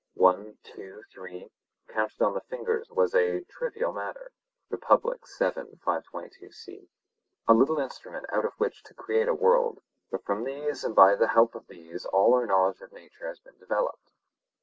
One, two, three, counted on the fingers was a 'trivial matter (Rep.), a little instrument out of which to create a world; but from these and by the help of these all our knowledge of nature has been developed.